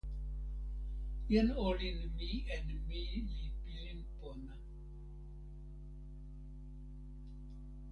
jan olin mi en mi li pilin pona.